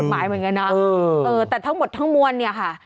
กวดหมายเหมือนกันนะเออเออแต่ทั้งหมดทั้งมวลเนี้ยค่ะ